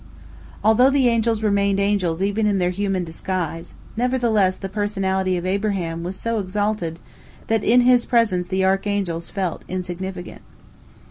Although the angels remained angels even in their human disguise, nevertheless the personality of Abraham was so exalted that in his presence the archangels felt insignificant.